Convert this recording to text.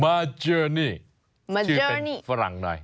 มาเจอนี่ชื่อเป็นฝรั่งหน่อย